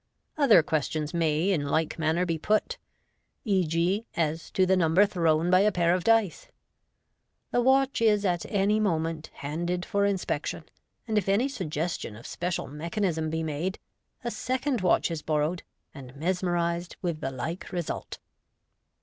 Other questions may in like manner be put, e.g., as to the number thrown by a pair of dice. The watch is at any moment handed for inspection, and if any suggestion of special mechanism be made, a second watch is borrowed, and mesmerised with the like result.